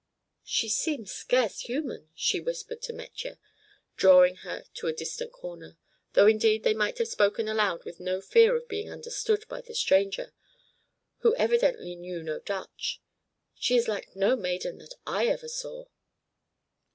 "She seems scarce human," she whispered to Metje, drawing her to a distant corner; though indeed they might have spoken aloud with no fear of being understood by the stranger, who evidently knew no Dutch. "She is like no maiden that ever I saw."